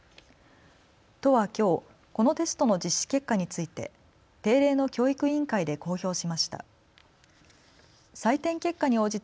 都はきょう、このテストの実施結果について定例の教育委員会で公表しました。